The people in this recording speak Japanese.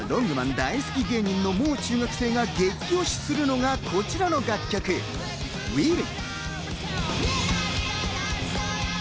大好き芸人のもう中学生が激推しするのがこちらの楽曲、『Ｗｉｌｌ』。